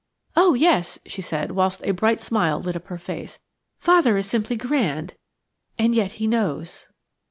"Oh, yes!" she said, whilst a bright smile lit up her face. "Father is simply grand ... and yet he knows."